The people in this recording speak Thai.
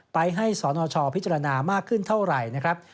ไปให้สนชพิจารณามากขึ้นเท่าไหร่นะครับ